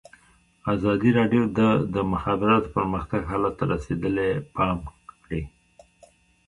ازادي راډیو د د مخابراتو پرمختګ حالت ته رسېدلي پام کړی.